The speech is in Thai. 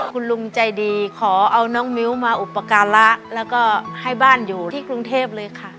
คุณลุงใจดีขอเอาน้องมิ้วมาอุปการะแล้วก็ให้บ้านอยู่ที่กรุงเทพเลยค่ะ